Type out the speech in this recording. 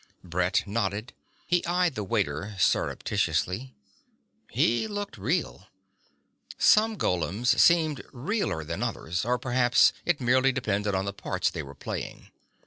Brett nodded. He eyed the waiter surreptitiously. He looked real. Some golems seemed realer than others; or perhaps it merely depended on the parts they were playing.